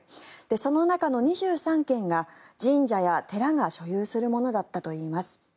その中の２３件が神社や寺が所有するものだったといいます。